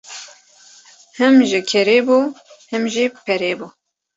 Him ji kerê bû him ji perê bû.